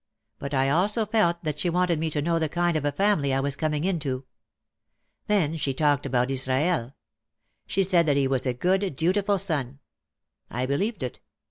But I felt also that she wanted me to know the kind of a family I was coming into. Then she talked about Israel. She said that he was a good, dutiful son. I believed it.